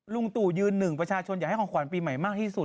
ลุงตู่ยืนหนึ่งประชาชนอยากให้ของขวัญปีใหม่มากที่สุด